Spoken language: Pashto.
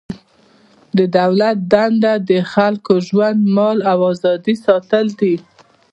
د دولت دنده د خلکو ژوند، مال او ازادي ساتل دي.